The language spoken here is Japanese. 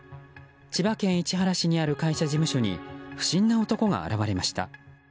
千葉県市原市にある会社事務所に不審な男が現れました。